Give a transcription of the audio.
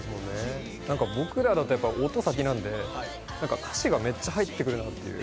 僕らだと音が先なんで、歌詞がめっちゃ入ってくるなっていう。